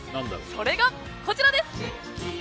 それがこちらです。